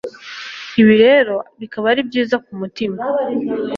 Ibi rero bikaba ari byiza ku mutima .